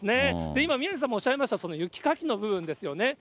今宮根さんもおっしゃいました、その雪かきの部分ですよね。